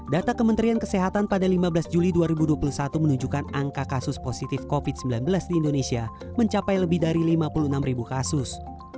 data kementerian kesehatan pada lima belas juli dua ribu dua puluh satu menunjukkan angka kasus positif covid sembilan belas di indonesia mencapai lebih dari lima puluh enam kasus